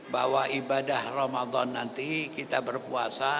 bahwa ibadah ramadan nanti kita berpuasa